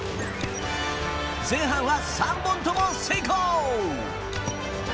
前半は３本とも成功！